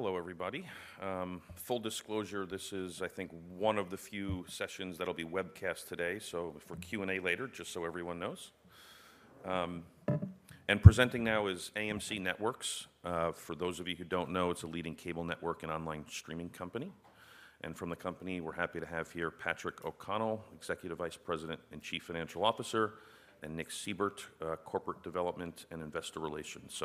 Hello everybody. Full disclosure, this is, I think, one of the few sessions that'll be webcast today, so for Q&A later, just so everyone knows. Presenting now is AMC Networks. For those of you who don't know, it's a leading cable network and online streaming company. From the company, we're happy to have here Patrick O'Connell, Executive Vice President and Chief Financial Officer, and Nick Seibert, Corporate Development and Investor Relations.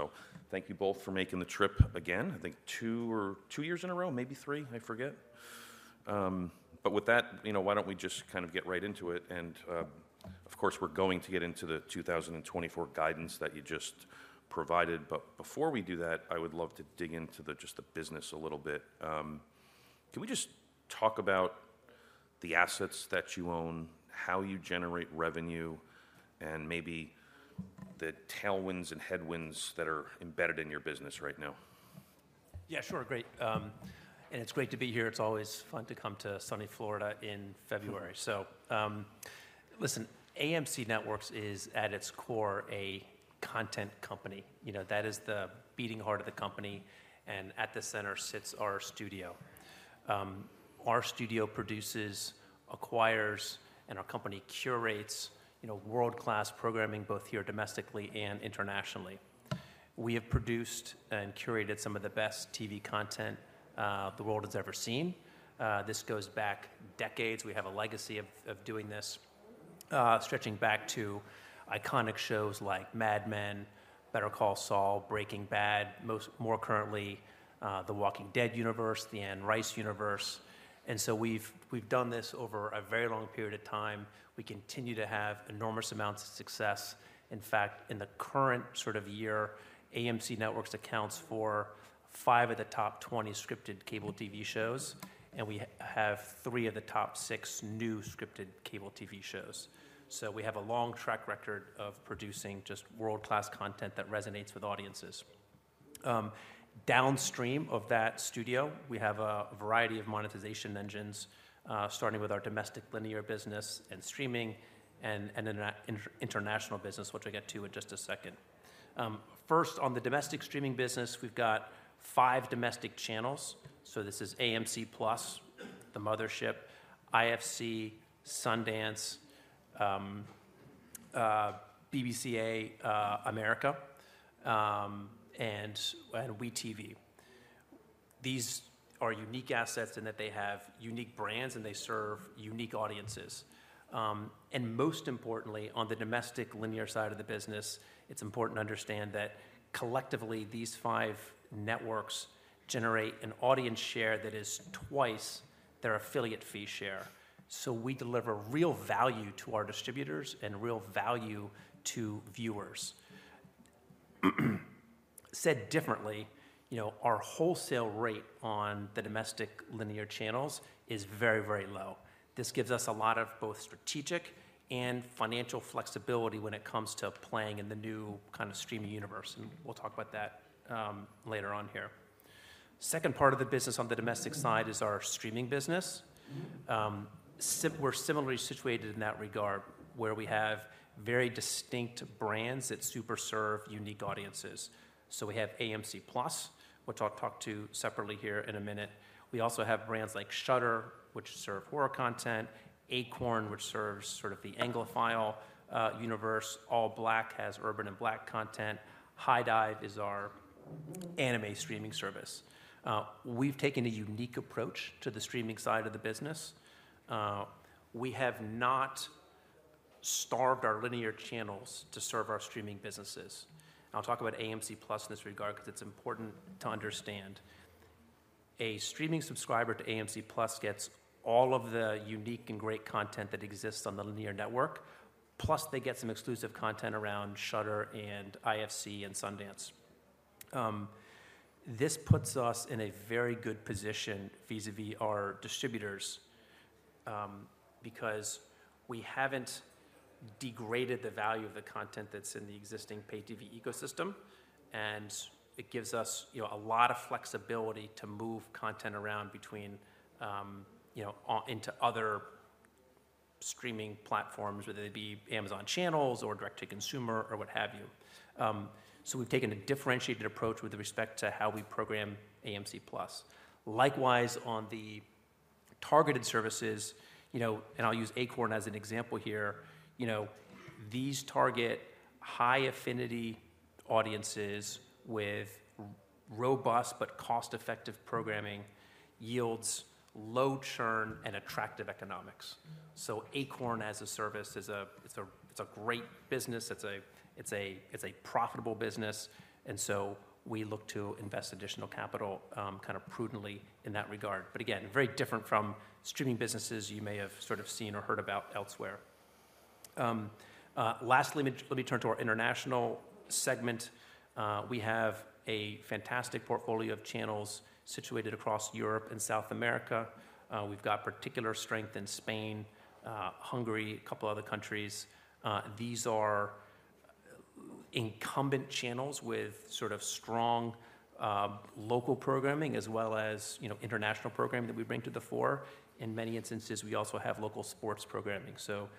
Thank you both for making the trip again. I think two or two years in a row, maybe three, I forget. With that, you know, why don't we just kind of get right into it? Of course, we're going to get into the 2024 guidance that you just provided. Before we do that, I would love to dig into just the business a little bit. Can we just talk about the assets that you own, how you generate revenue, and maybe the tailwinds and headwinds that are embedded in your business right now? Yeah, sure. Great. It's great to be here. It's always fun to come to sunny Florida in February. So, listen, AMC Networks is, at its core, a content company. You know, that is the beating heart of the company. At the center sits our studio. Our studio produces, acquires, and our company curates, you know, world-class programming both here domestically and internationally. We have produced and curated some of the best TV content, the world has ever seen. This goes back decades. We have a legacy of doing this, stretching back to iconic shows like Mad Men, Better Call Saul, Breaking Bad, most more currently, The Walking Dead Universe, the Anne Rice Universe. So we've done this over a very long period of time. We continue to have enormous amounts of success. In fact, in the current sort of year, AMC Networks accounts for five of the top 20 scripted cable TV shows, and we have three of the top six new scripted cable TV shows. So we have a long track record of producing just world-class content that resonates with audiences. Downstream of that studio, we have a variety of monetization engines, starting with our domestic linear business and streaming and an international business, which I'll get to in just a second. First, on the domestic streaming business, we've got five domestic channels. So this is AMC+, the mothership, IFC, SundanceTV, BBC America, and We TV. These are unique assets in that they have unique brands and they serve unique audiences. And most importantly, on the domestic linear side of the business, it's important to understand that collectively, these five networks generate an audience share that is twice their affiliate fee share. So we deliver real value to our distributors and real value to viewers. Said differently, you know, our wholesale rate on the domestic linear channels is very, very low. This gives us a lot of both strategic and financial flexibility when it comes to playing in the new kind of streaming universe. And we'll talk about that later on here. Second part of the business on the domestic side is our streaming business. So we're similarly situated in that regard where we have very distinct brands that super serve unique audiences. So we have AMC+, which I'll talk to separately here in a minute. We also have brands like Shudder, which serve horror content, Acorn, which serves sort of the Anglophile universe. ALLBLK has urban and Black content. HIDIVE is our anime streaming service. We've taken a unique approach to the streaming side of the business. We have not starved our linear channels to serve our streaming businesses. I'll talk about AMC+ in this regard 'cause it's important to understand. A streaming subscriber to AMC+ gets all of the unique and great content that exists on the linear network, plus they get some exclusive content around Shudder and IFC and Sundance. This puts us in a very good position vis-à-vis our distributors, because we haven't degraded the value of the content that's in the existing pay-TV ecosystem. And it gives us, you know, a lot of flexibility to move content around between, you know, a-into other streaming platforms, whether they be Amazon Channels or Direct to Consumer or what have you. So we've taken a differentiated approach with respect to how we program AMC+. Likewise, on the targeted services, you know, and I'll use Acorn as an example here, you know, these target high-affinity audiences with robust but cost-effective programming, yields, low churn, and attractive economics. So Acorn as a service is a it's a it's a it's a great business. It's a profitable business. And so we look to invest additional capital, kind of prudently in that regard. But again, very different from streaming businesses you may have sort of seen or heard about elsewhere. Lastly, let me let me turn to our international segment. We have a fantastic portfolio of channels situated across Europe and South America. We've got particular strength in Spain, Hungary, a couple other countries. These are incumbent channels with sort of strong, local programming as well as, you know, international programming that we bring to the fore. In many instances, we also have local sports programming. So,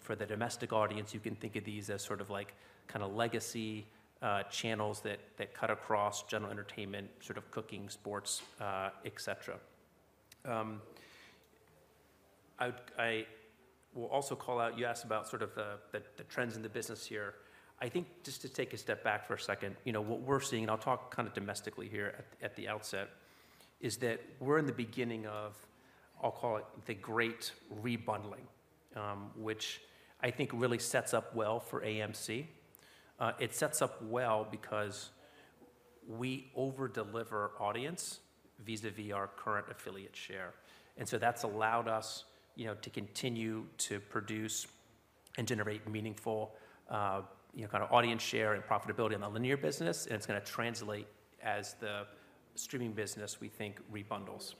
for the domestic audience, you can think of these as sort of like kind of legacy, channels that cut across general entertainment, sort of cooking, sports, etc. I will also call out you asked about sort of the trends in the business here. I think just to take a step back for a second, you know, what we're seeing and I'll talk kind of domestically here at the outset is that we're in the beginning of, I'll call it, the great rebundling, which I think really sets up well for AMC. It sets up well because we overdeliver audience vis-à-vis our current affiliate share. And so that's allowed us, you know, to continue to produce and generate meaningful, you know, kind of audience share and profitability on the linear business. And it's gonna translate as the streaming business, we think, rebundles.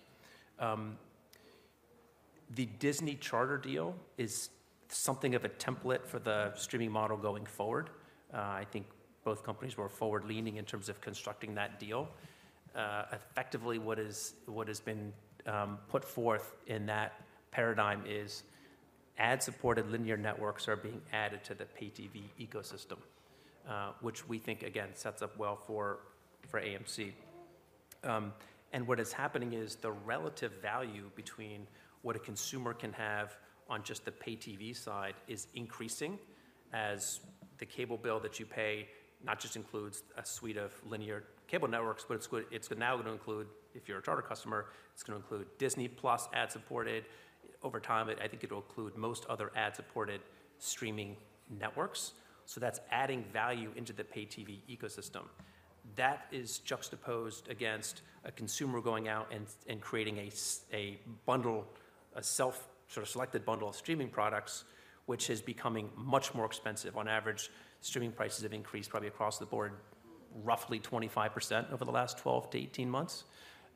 The Disney Charter deal is something of a template for the streaming model going forward. I think both companies were forward-leaning in terms of constructing that deal. Effectively, what has been put forth in that paradigm is ad-supported linear networks are being added to the pay-TV ecosystem, which we think, again, sets up well for AMC. And what is happening is the relative value between what a consumer can have on just the pay-TV side is increasing as the cable bill that you pay not just includes a suite of linear cable networks, but it's now gonna include, if you're a Charter customer, it's gonna include Disney+ ad-supported. Over time, I think it'll include most other ad-supported streaming networks. So that's adding value into the pay-TV ecosystem. That is juxtaposed against a consumer going out and creating a self sort of selected bundle of streaming products, which is becoming much more expensive. On average, streaming prices have increased probably across the board roughly 25% over the last 12-18 months.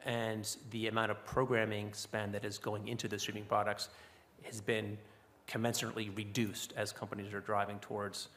The amount of programming spend that is going into the streaming products has been commensurately reduced as companies are driving towards,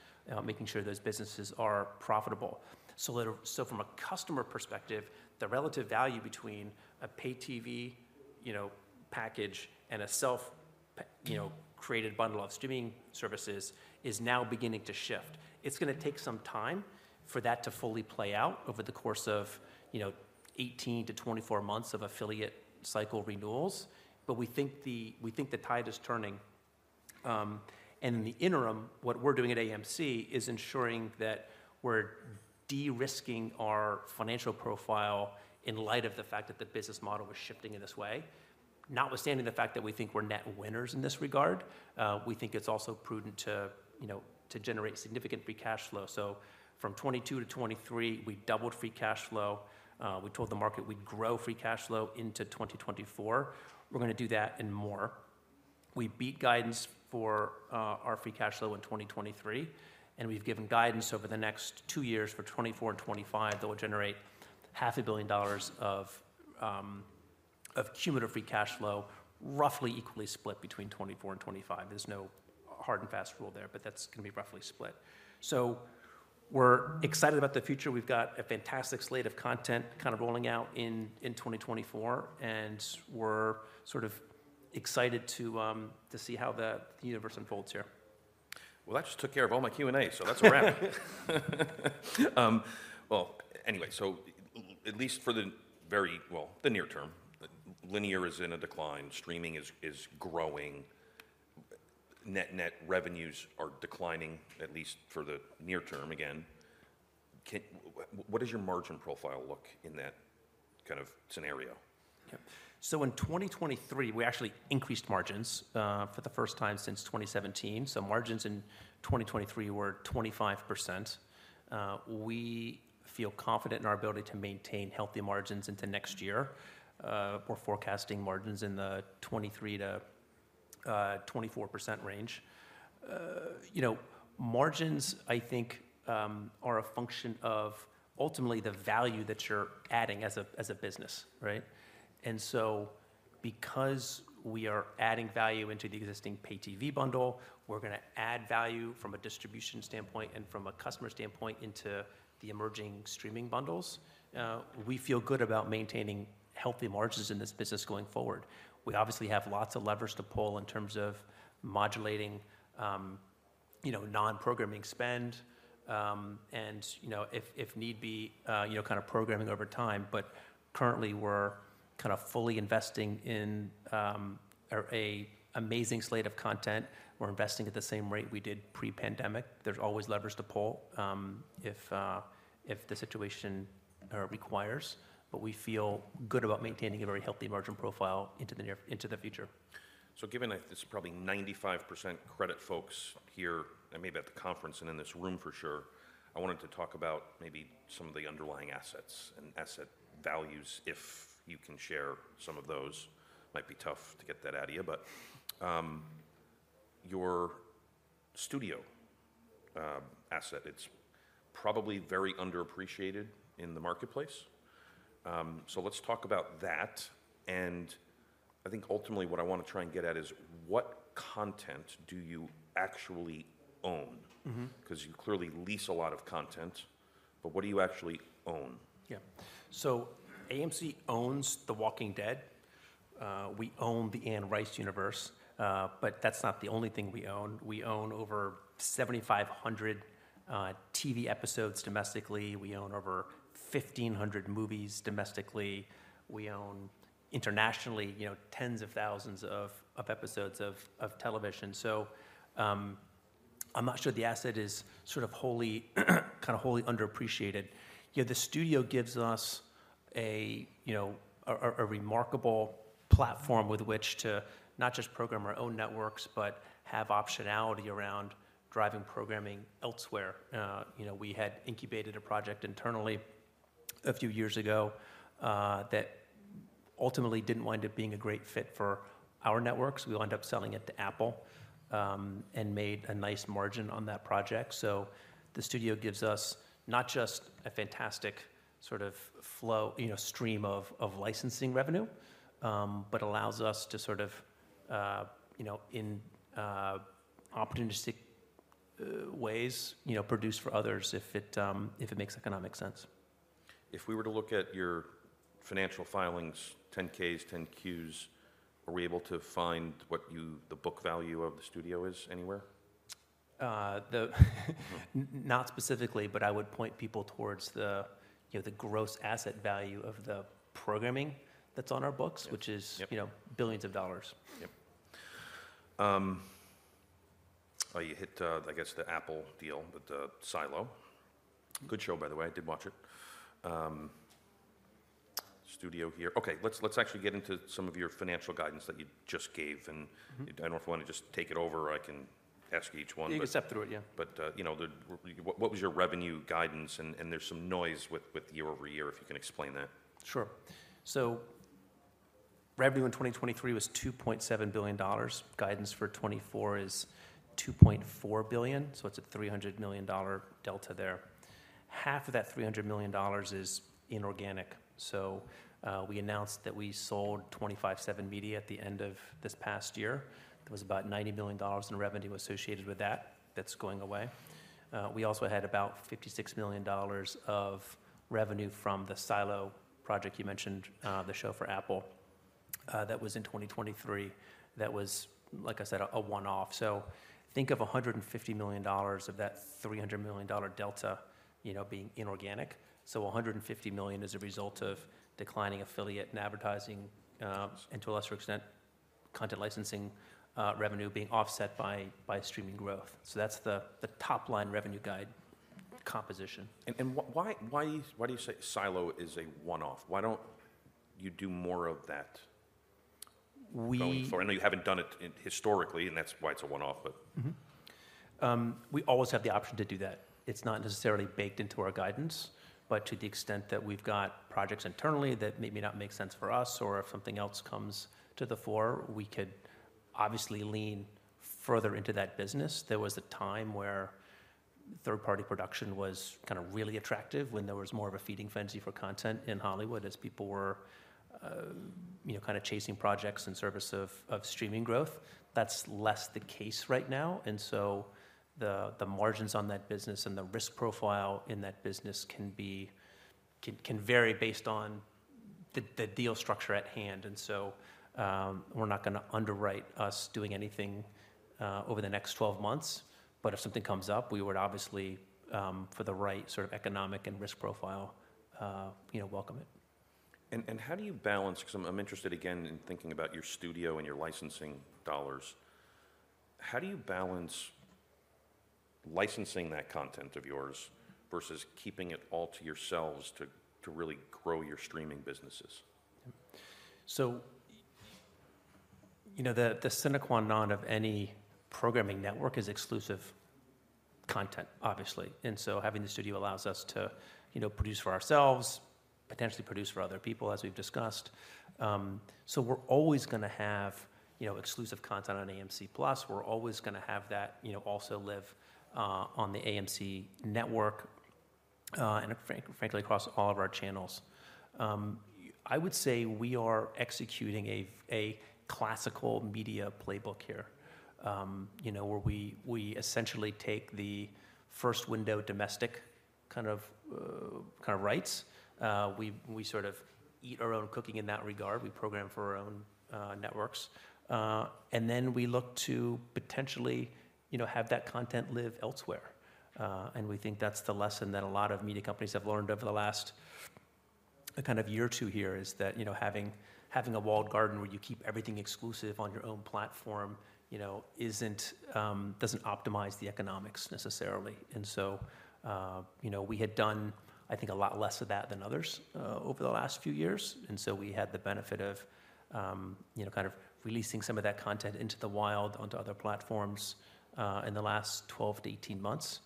making sure those businesses are profitable. So little so from a customer perspective, the relative value between a pay-TV, you know, package and a self-pay you know, created bundle of streaming services is now beginning to shift. It's gonna take some time for that to fully play out over the course of, you know, 18-24 months of affiliate cycle renewals. But we think the tide is turning. And in the interim, what we're doing at AMC is ensuring that we're de-risking our financial profile in light of the fact that the business model was shifting in this way, notwithstanding the fact that we think we're net winners in this regard. We think it's also prudent to, you know, to generate significant free cash flow. So from 2022 to 2023, we doubled free cash flow. We told the market we'd grow free cash flow into 2024. We're gonna do that and more. We beat guidance for our free cash flow in 2023. And we've given guidance over the next two years for 2024 and 2025 that will generate $500 million of cumulative free cash flow roughly equally split between 2024 and 2025. There's no hard and fast rule there, but that's gonna be roughly split. So we're excited about the future. We've got a fantastic slate of content kind of rolling out in 2024. We're sort of excited to see how the universe unfolds here. Well, that just took care of all my Q&A, so that's a wrap. Well, anyway, so at least for the very near-term, linear is in a decline. Streaming is growing. Net revenues are declining, at least for the near-term, again. And what does your margin profile look like in that kind of scenario? Yep. So in 2023, we actually increased margins, for the first time since 2017. So margins in 2023 were 25%. We feel confident in our ability to maintain healthy margins into next year. We're forecasting margins in the 23%-24% range. You know, margins, I think, are a function of ultimately the value that you're adding as a as a business, right? And so because we are adding value into the existing pay-TV bundle, we're gonna add value from a distribution standpoint and from a customer standpoint into the emerging streaming bundles. We feel good about maintaining healthy margins in this business going forward. We obviously have lots of levers to pull in terms of modulating, you know, non-programming spend, and, you know, if, if need be, you know, kind of programming over time. But currently, we're kind of fully investing in amazing slate of content. We're investing at the same rate we did pre-pandemic. There's always levers to pull, if the situation requires. But we feel good about maintaining a very healthy margin profile into the near future. So, given that this is probably 95% credit folks here and maybe at the conference and in this room for sure, I wanted to talk about maybe some of the underlying assets and asset values. If you can share some of those, it might be tough to get that out of you. But, your studio asset, it's probably very underappreciated in the marketplace. So let's talk about that. And I think ultimately, what I wanna try and get at is what content do you actually own? Because you clearly lease a lot of content. But what do you actually own? Yep. So AMC owns The Walking Dead. We own the Anne Rice universe. But that's not the only thing we own. We own over 7,500 TV episodes domestically. We own over 1,500 movies domestically. We own internationally, you know, tens of thousands of episodes of television. So, I'm not sure the asset is sort of wholly kind of wholly underappreciated. You know, the studio gives us a, you know, a remarkable platform with which to not just program our own networks but have optionality around driving programming elsewhere. You know, we had incubated a project internally a few years ago, that ultimately didn't wind up being a great fit for our networks. We wound up selling it to Apple, and made a nice margin on that project. So the studio gives us not just a fantastic sort of flow, you know, stream of licensing revenue, but allows us to sort of, you know, in opportunistic ways, you know, produce for others if it makes economic sense. If we were to look at your financial filings, 10-Ks, 10-Qs, are we able to find what you the book value of the studio is anywhere? Not specifically, but I would point people towards, you know, the gross asset value of the programming that's on our books, which is, you know, billions of dollars. Yep. Oh, you hit, I guess, the Apple deal with Silo. Good show, by the way. I did watch it. Studio here. Okay. Let's actually get into some of your financial guidance that you just gave. And I don't know if I wanna just take it over or I can ask each one. You can step through it, yeah. You know, what was your revenue guidance? There's some noise with year-over-year. If you can explain that. Sure. So revenue in 2023 was $2.7 billion. Guidance for 2024 is $2.4 billion. So it's a $300 million delta there. Half of that $300 million is inorganic. So, we announced that we sold 25/7 Media at the end of this past year. There was about $90 million in revenue associated with that that's going away. We also had about $56 million of revenue from the Silo project you mentioned, the show for Apple, that was in 2023 that was, like I said, a one-off. So think of $150 million of that $300 million delta, you know, being inorganic. So $150 million is a result of declining affiliate and advertising, and to a lesser extent, content licensing, revenue being offset by streaming growth. So that's the top-line revenue guide composition. Why do you say Silo is a one-off? Why don't you do more of that going forward? I know you haven't done it historically, and that's why it's a one-off, but. We always have the option to do that. It's not necessarily baked into our guidance, but to the extent that we've got projects internally that maybe not make sense for us or if something else comes to the fore, we could obviously lean further into that business. There was a time where third-party production was kind of really attractive when there was more of a feeding frenzy for content in Hollywood as people were, you know, kind of chasing projects in service of streaming growth. That's less the case right now. And so the margins on that business and the risk profile in that business can vary based on the deal structure at hand. And so, we're not gonna underwrite us doing anything over the next 12 months. But if something comes up, we would obviously, for the right sort of economic and risk profile, you know, welcome it. How do you balance because I'm interested, again, in thinking about your studio and your licensing dollars? How do you balance licensing that content of yours versus keeping it all to yourselves to really grow your streaming businesses? Yep. So, you know, the sine qua non of any programming network is exclusive content, obviously. And so having the studio allows us to, you know, produce for ourselves, potentially produce for other people, as we've discussed. We're always gonna have, you know, exclusive content on AMC+. We're always gonna have that, you know, also live, on the AMC network, and frankly across all of our channels. I would say we are executing a classical media playbook here, you know, where we, we essentially take the first window domestic kind of rights. We, we sort of eat our own cooking in that regard. We program for our own networks. Then we look to potentially, you know, have that content live elsewhere. And we think that's the lesson that a lot of media companies have learned over the last kind of year or two here is that, you know, having a walled garden where you keep everything exclusive on your own platform, you know, isn't, doesn't optimize the economics necessarily. And so, you know, we had done, I think, a lot less of that than others, over the last few years. And so we had the benefit of, you know, kind of releasing some of that content into the wild onto other platforms, in the last 12-18 months.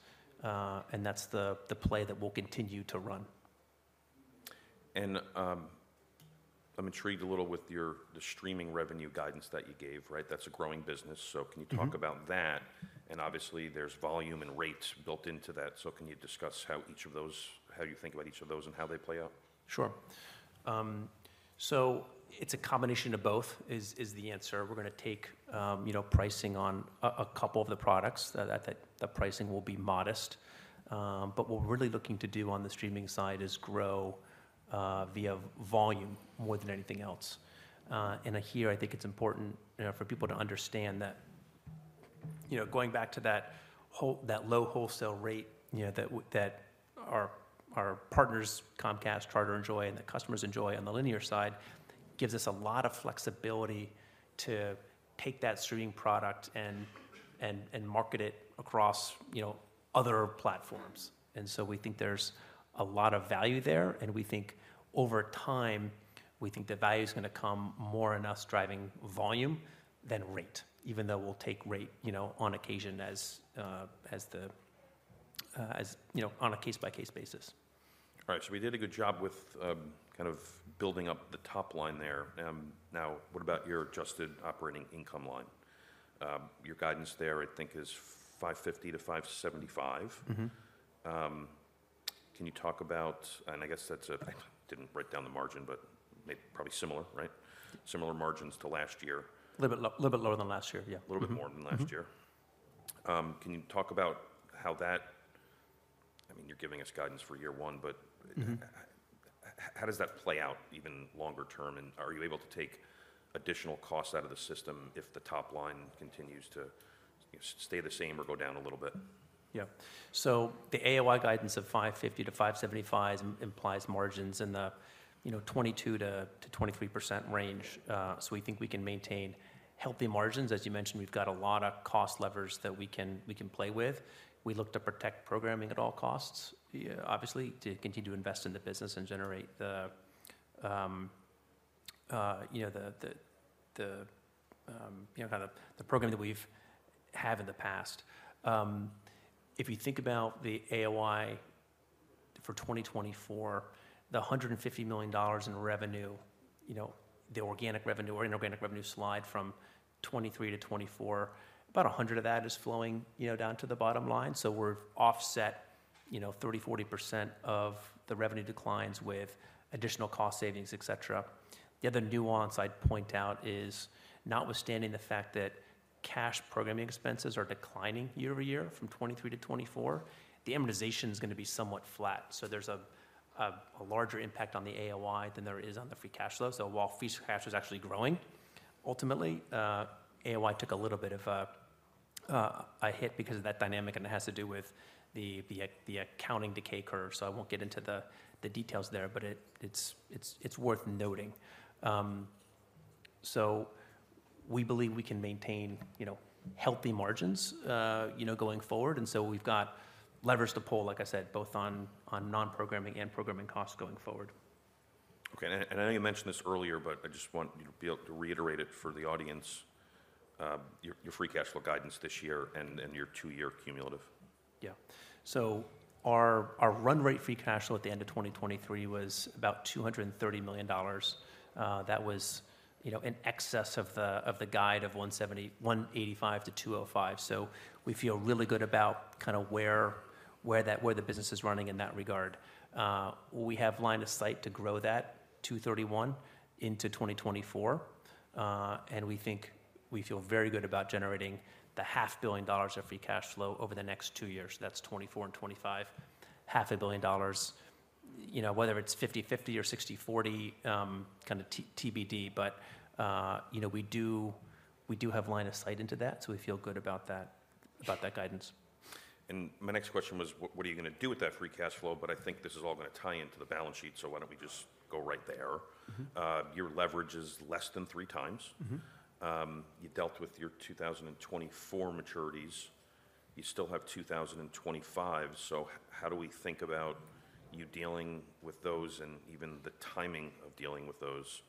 And that's the play that will continue to run. I'm intrigued a little with your streaming revenue guidance that you gave, right? That's a growing business. So can you talk about that? And obviously, there's volume and rates built into that. So can you discuss how you think about each of those and how they play out? Sure. So it's a combination of both is the answer. We're gonna take, you know, pricing on a couple of the products. That pricing will be modest. But what we're really looking to do on the streaming side is grow via volume more than anything else. And here, I think it's important, you know, for people to understand that, you know, going back to that whole low wholesale rate, you know, that our partners, Comcast, Charter, and Cox, and that customers enjoy on the linear side gives us a lot of flexibility to take that streaming product and market it across, you know, other platforms. And so we think there's a lot of value there. We think over time, we think the value's gonna come more in us driving volume than rate, even though we'll take rate, you know, on occasion, you know, on a case-by-case basis. All right. So we did a good job with, kind of building up the top line there. Now, what about your adjusted operating income line? Your guidance there, I think, is $550-$575. Can you talk about and I guess I didn't write down the margin, but maybe probably similar, right? Similar margins to last year. A little bit lower than last year, yeah. A little bit more than last year. Can you talk about how that—I mean, you're giving us guidance for year one, but how does that play out even longer term? And are you able to take additional costs out of the system if the top line continues to, you know, stay the same or go down a little bit? Yep. So the AOI guidance of $550-$575 implies margins in the, you know, 22%-23% range. So we think we can maintain healthy margins. As you mentioned, we've got a lot of cost levers that we can play with. We look to protect programming at all costs, yeah obviously, to continue to invest in the business and generate the, you know, kind of the program that we've had in the past. If you think about the AOI for 2024, the $150 million in revenue, you know, the organic revenue or inorganic revenue slide from 2023 to 2024, about $100 million of that is flowing, you know, down to the bottom line. So we've offset, you know, 30%-40% of the revenue declines with additional cost savings, etc. The other nuance I'd point out is notwithstanding the fact that cash programming expenses are declining year over year from 2023 to 2024, the amortization's gonna be somewhat flat. So there's a larger impact on the AOI than there is on the free cash flow. So while free cash is actually growing, ultimately, AOI took a little bit of a hit because of that dynamic. And it has to do with the accounting decay curve. So I won't get into the details there, but it's worth noting. So we believe we can maintain, you know, healthy margins, you know, going forward. And so we've got levers to pull, like I said, both on non-programming and programming costs going forward. Okay. And I know you mentioned this earlier, but I just want, you know, to be able to reiterate it for the audience, your free cash flow guidance this year and your two-year cumulative. Yeah. So our run-rate free cash flow at the end of 2023 was about $230 million. That was, you know, in excess of the guide of $185 million-$205 million. So we feel really good about kind of where the business is running in that regard. We have line of sight to grow that $231 million into 2024. And we feel very good about generating $500 million of free cash flow over the next two years. That's 2024 and 2025, $500 million. You know, whether it's 50/50 or 60/40, kind of T-B-D, but, you know, we do have line of sight into that. So we feel good about that guidance. My next question was, what are you gonna do with that free cash flow? I think this is all gonna tie into the balance sheet, so why don't we just go right there. Your leverage is less than 3x. You dealt with your 2024 maturities, you still have 2025. So how do we think about you dealing with those and even the timing of dealing with those?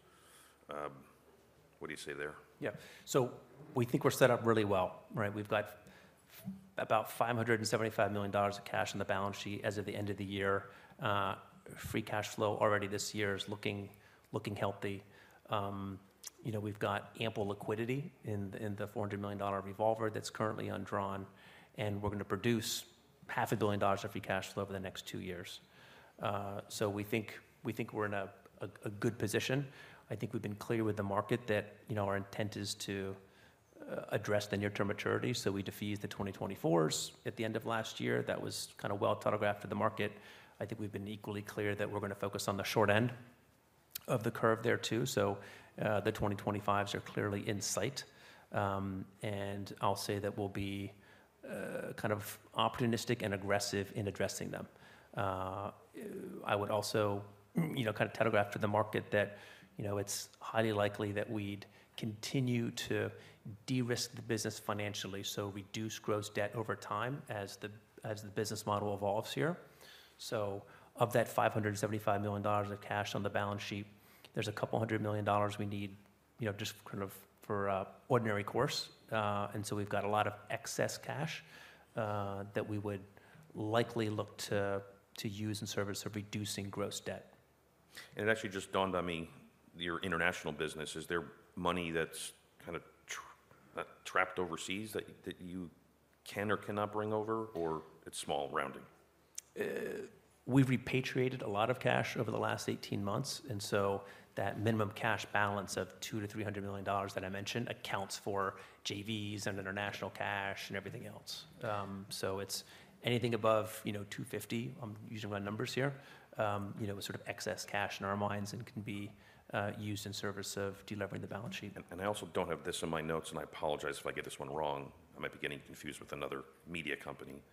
What do you say there? Yeah. So we think we're set up really well, right? We've got about $575 million of cash on the balance sheet as of the end of the year. Free Cash Flow already this year is looking, looking healthy. You know, we've got ample liquidity in the $400 million revolver that's currently undrawn. And we're gonna produce $500 million of Free Cash Flow over the next two years. So we think we're in a good position. I think we've been clear with the market that, you know, our intent is to address the near-term maturities. So we defeat the 2024s at the end of last year. That was kind of well-telegraphed to the market. I think we've been equally clear that we're gonna focus on the short end of the curve there too. So, the 2025s are clearly in sight. I'll say that we'll be, kind of opportunistic and aggressive in addressing them. I would also, you know, kind of telegraph to the market that, you know, it's highly likely that we'd continue to de-risk the business financially, so reduce gross debt over time as the business model evolves here. So of that $575 million of cash on the balance sheet, there's couple hundred million dollars we need, you know, just kind of for ordinary course. So we've got a lot of excess cash, that we would likely look to, to use in service of reducing gross debt. It actually just dawned on me, your international business. Is there money that's kind of trapped overseas that you can or cannot bring over, or it's small rounding? We've repatriated a lot of cash over the last 18 months. So that minimum cash balance of $200 million-$300 million that I mentioned accounts for JVs and international cash and everything else. So it's anything above, you know, $250 million. I'm using my numbers here. You know, it's sort of excess cash in our minds and can be used in service of de-levering the balance sheet. And I also don't have this in my notes, and I apologize if I get this one wrong. I might be getting confused with another media company. But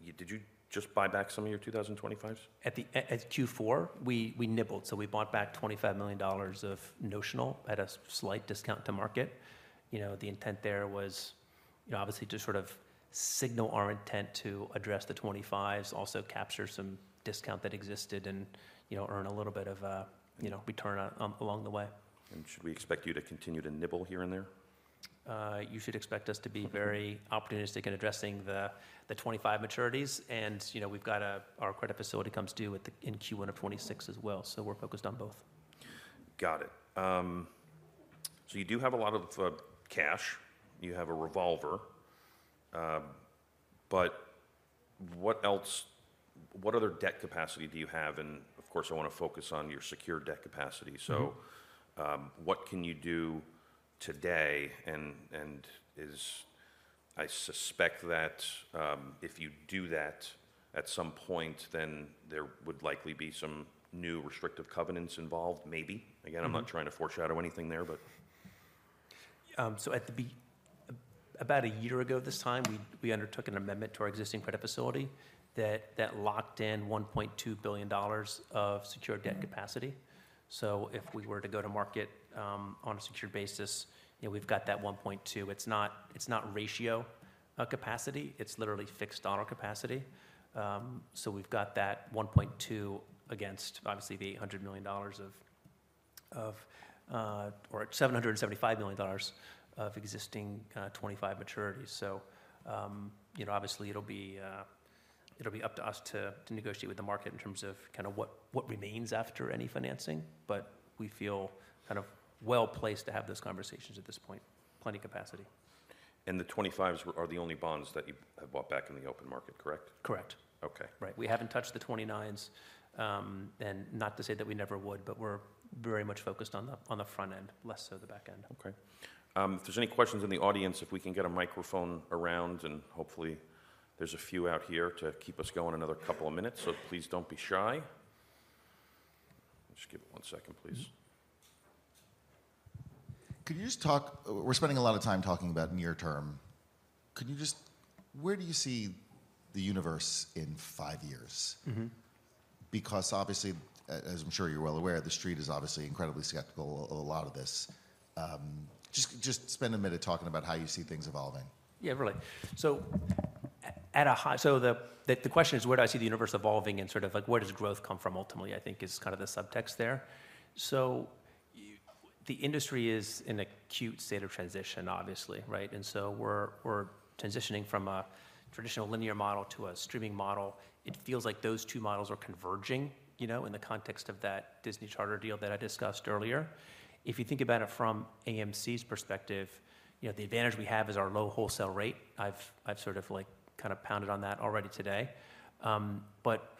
why did you just buy back some of your 2025s? At the end of Q4, we nibbled. So we bought back $25 million of notional at a slight discount to market. You know, the intent there was, you know, obviously, to sort of signal our intent to address the 2025s, also capture some discount that existed, and, you know, earn a little bit of a, you know, return on along the way. Should we expect you to continue to nibble here and there? You should expect us to be very opportunistic in addressing the 2025 maturities. And, you know, we've got our credit facility comes due in Q1 of 2026 as well. So we're focused on both. Got it. So you do have a lot of cash. You have a revolver. But what else? What other debt capacity do you have? And of course, I wanna focus on your secured debt capacity. So, what can you do today? And I suspect that if you do that at some point, then there would likely be some new restrictive covenants involved, maybe. Again, I'm not trying to foreshadow anything there. So about a year ago this time, we undertook an amendment to our existing credit facility that locked in $1.2 billion of secured debt capacity. So if we were to go to market, on a secured basis, you know, we've got that $1.2 billion. It's not ratio capacity. It's literally fixed dollar capacity. So we've got that $1.2 billion against, obviously, the $100 million or $775 million of existing 2025 maturities. So, you know, obviously, it'll be up to us to negotiate with the market in terms of kind of what remains after any financing. But we feel kind of well-placed to have those conversations at this point, plenty of capacity. The 2025s are the only bonds that you have bought back in the open market, correct? Correct. Okay. Right. We haven't touched the 2029s, and not to say that we never would, but we're very much focused on the front end, less so the back end. Okay. If there's any questions in the audience, if we can get a microphone around, and hopefully, there's a few out here to keep us going another couple of minutes. So please don't be shy. Just give it one second, please. Could you just talk? We're spending a lot of time talking about near-term. Could you just where do you see the universe in five years? Because obviously, as I'm sure you're well aware, the street is obviously incredibly skeptical of a lot of this. Just spend a minute talking about how you see things evolving. Yeah, really. So at a high so the question is, where do I see the universe evolving? And sort of, like, where does growth come from ultimately, I think, is kind of the subtext there. So yeah the industry is in an acute state of transition, obviously, right? And so we're transitioning from a traditional linear model to a streaming model. It feels like those two models are converging, you know, in the context of that Disney/Charter deal that I discussed earlier. If you think about it from AMC's perspective, you know, the advantage we have is our low wholesale rate. I've sort of, like, kind of pounded on that already today. But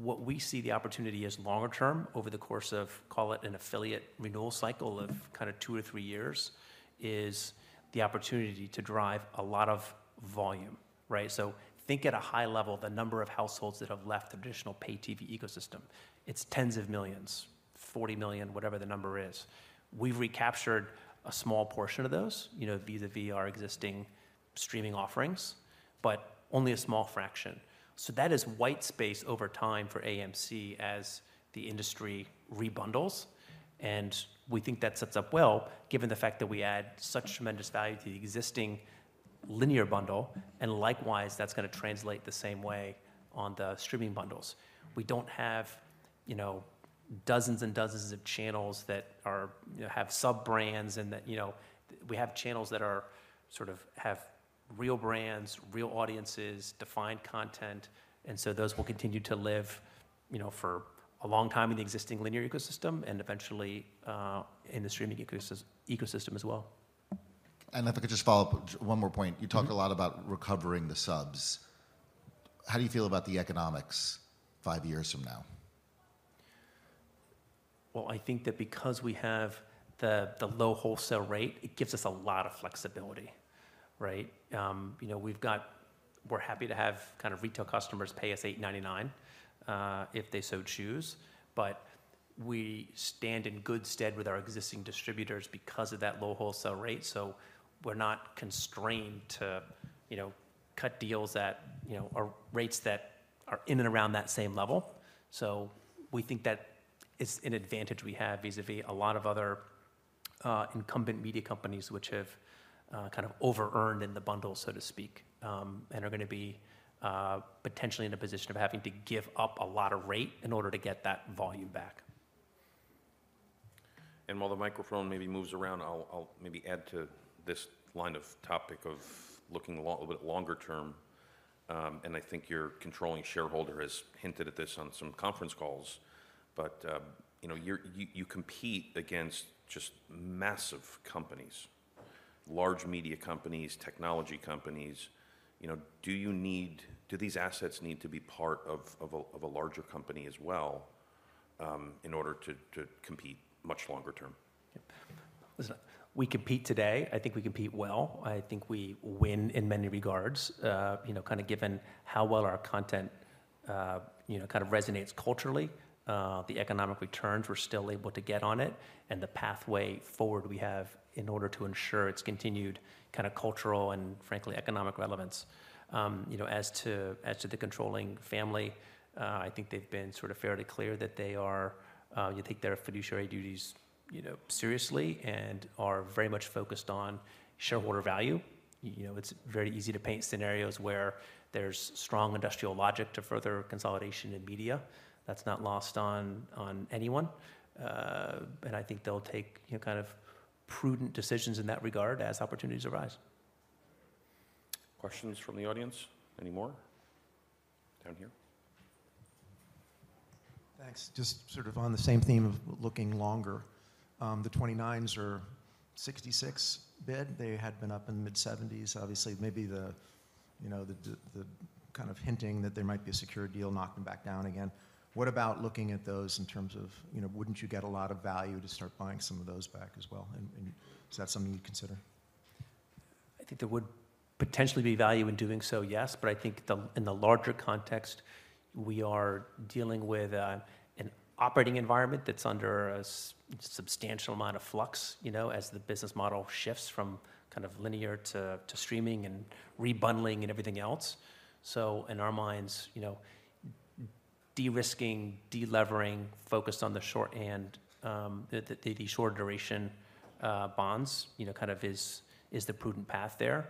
what we see the opportunity is longer term, over the course of, call it, an affiliate renewal cycle of kind of two or three years, is the opportunity to drive a lot of volume, right? So think at a high level, the number of households that have left the traditional pay-TV ecosystem. It's tens of millions, 40 million, whatever the number is. We've recaptured a small portion of those, you know, via the VR existing streaming offerings, but only a small fraction. So that is white space over time for AMC as the industry rebundles. And we think that sets up well, given the fact that we add such tremendous value to the existing linear bundle. And likewise, that's gonna translate the same way on the streaming bundles. We don't have, you know, dozens and dozens of channels that are, you know, have sub-brands and that, you know, we have channels that are sort of have real brands, real audiences, defined content. And so those will continue to live, you know, for a long time in the existing linear ecosystem and eventually, in the streaming ecosystem as well. If I could just follow up one more point. You talked a lot about recovering the subs. How do you feel about the economics five years from now? Well, I think that because we have the, the low wholesale rate, it gives us a lot of flexibility, right? You know, we're happy to have kind of retail customers pay us $8.99, if they so choose. But we stand in good stead with our existing distributors because of that low wholesale rate. So we're not constrained to, you know, cut deals at, you know, or rates that are in and around that same level. So we think that it's an advantage we have vis-à-vis a lot of other, incumbent media companies which have, kind of over-earned in the bundle, so to speak, and are gonna be, potentially in a position of having to give up a lot of rate in order to get that volume back. And while the microphone maybe moves around, I'll maybe add to this line of topic of looking a little bit longer-term. And I think your controlling shareholder has hinted at this on some conference calls. But, you know, you compete against just massive companies, large media companies, technology companies. You know, do these assets need to be part of a larger company as well, in order to compete much longer-term? Yep. Listen, we compete today. I think we compete well. I think we win in many regards, you know, kind of given how well our content, you know, kind of resonates culturally, the economic returns we're still able to get on it, and the pathway forward we have in order to ensure its continued kind of cultural and, frankly, economic relevance. You know, as to the controlling family, I think they've been sort of fairly clear that they take their fiduciary duties, you know, seriously and are very much focused on shareholder value. You know, it's very easy to paint scenarios where there's strong industrial logic to further consolidation in media that's not lost on anyone. And I think they'll take, you know, kind of prudent decisions in that regard as opportunities arise. Questions from the audience? Any more down here? Thanks. Just sort of on the same theme of looking longer. The 2029s are 66 bid. They had been up in the mid-70s. Obviously, maybe the, you know, the kind of hinting that there might be a secure deal knocked them back down again. What about looking at those in terms of, you know, wouldn't you get a lot of value to start buying some of those back as well? And, and is that something you'd consider? I think there would potentially be value in doing so, yes. But I think in the larger context, we are dealing with an operating environment that's under a substantial amount of flux, you know, as the business model shifts from kind of linear to streaming and rebundling and everything else. So in our minds, you know, de-risking, de-levering, focused on the short end, the shorter duration bonds, you know, kind of is the prudent path there.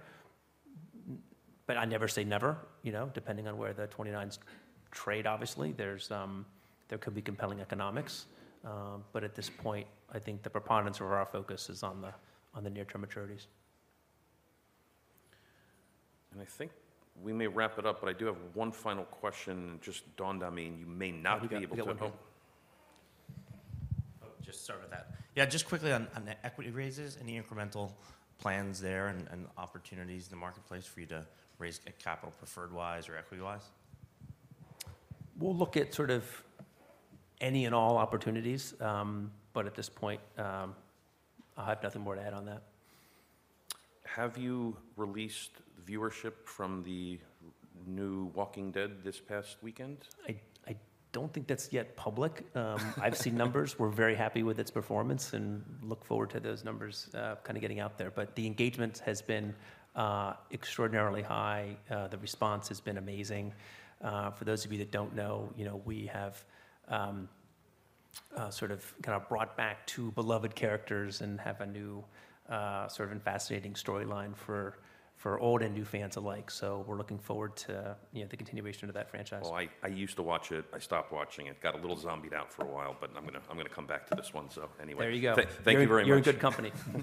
But I never say never, you know, depending on where the 2029s trade, obviously. There could be compelling economics. But at this point, I think the preponderance of our focus is on the near-term maturities. I think we may wrap it up, but I do have one final question just dawned on me, and you may not be able to help. Yeah, I'll give it a hope. Oh, just start with that. Yeah, just quickly on the equity raises, any incremental plans there and opportunities in the marketplace for you to raise capital preferred-wise or equity-wise? We'll look at sort of any and all opportunities. At this point, I have nothing more to add on that. Have you released viewership from the new Walking Dead this past weekend? I don't think that's yet public. I've seen numbers. We're very happy with its performance and look forward to those numbers, kind of getting out there. But the engagement has been extraordinarily high. The response has been amazing. For those of you that don't know, you know, we have sort of kind of brought back two beloved characters and have a new sort of and fascinating storyline for old and new fans alike. So we're looking forward to, you know, the continuation of that franchise. Well, I used to watch it. I stopped watching it. Got a little zombied out for a while, but I'm gonna come back to this one. So anyway, thank you very much. You're in good company.